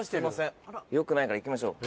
よくないから行きましょう。